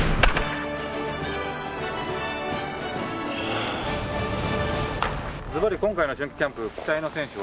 あぁずばり今回の春季キャンプ期待の選手は？